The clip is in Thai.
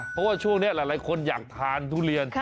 เพราะว่าช่วงนี้หลายคนอยากทานทุเรียน